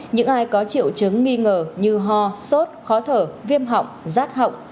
những ai có triệu chứng nghi ngờ như ho sốt khó thở viêm họng rát họng